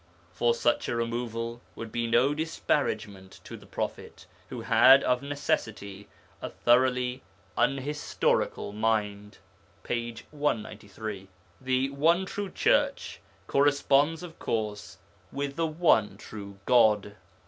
For such a removal would be no disparagement to the prophet, who had, of necessity, a thoroughly unhistorical mind (p. 193). The 'one true Church' corresponds of course with the one true God.